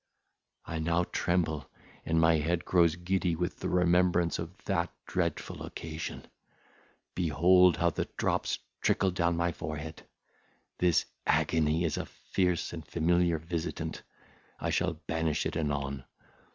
I now tremble, and my head grows giddy with the remembrance of that dreadful occasion. Behold how the drops trickle down my forehead; this agony is a fierce and familiar visitant; I shall banish it anon.